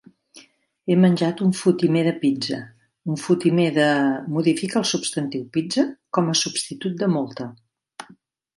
"He menjat un fotimer de pizza": "un fotimer de" modifica el substantiu "pizza", com a substitut de "molta".